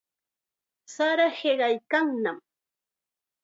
Sara hiqaykannam.